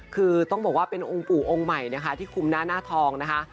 คือต้องบอกว่าเป็นองค์ปู่องค์ใหม่นะคะที่คุมหน้าหน้าทองนะคะ